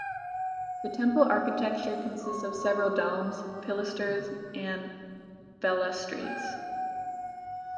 The temple architecture consists of several domes, pilasters and balustrades.